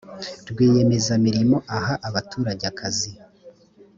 rwiyemezamirimo ahabatutage akazi.